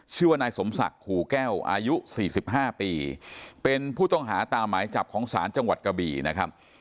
ชื่อว่านายสมศักดิ์ขู่แก้วอายุ๔๕ปีเป็นผู้ต้องหาตามหมายจับของศาลจังหวัดกะบี่นะครับ